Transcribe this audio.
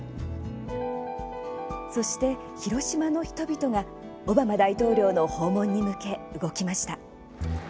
そして、広島の人々がオバマ大統領の訪問に向け動きました。